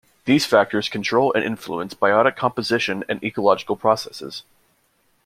These factors control and influence biotic composition and ecological processes.